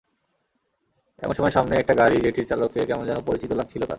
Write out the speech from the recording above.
এমন সময় সামনে একটা গাড়ি, যেটির চালককে কেমন যেন পরিচিত লাগছিল তাঁর।